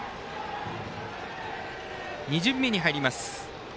２巡目に入ります。